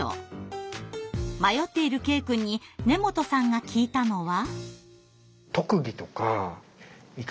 迷っているケイくんに根本さんが聞いたのは。